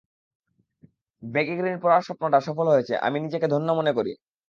Baggy green পরার স্বপ্নটা সফল হয়েছে, আমি নিজেকে ধন্য মনে করি।